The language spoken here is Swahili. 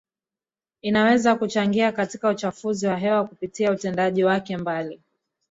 inaweza kuchangia katika uchafuzi wa hewa kupitia utendaji wake mbali